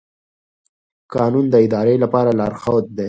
قانون د ادارې لپاره لارښود دی.